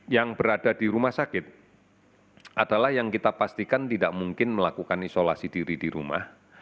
yang berada di rumah sakit adalah yang kita pastikan tidak mungkin melakukan isolasi diri di rumah